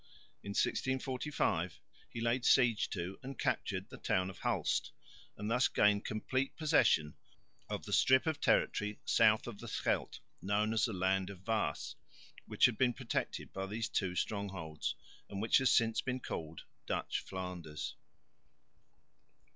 In 1645 he laid siege to and captured the town of Hulst, and thus gained complete possession of the strip of territory south of the Scheldt, known as the Land of Waes, which had been protected by these two strongholds, and which has since been called Dutch Flanders.